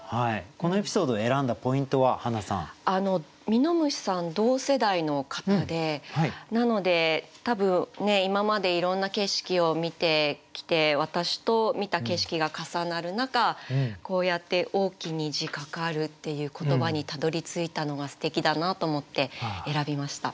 みのむしさん同世代の方でなので多分今までいろんな景色を見てきて私と見た景色が重なる中こうやって「大き虹かかる」っていう言葉にたどりついたのがすてきだなと思って選びました。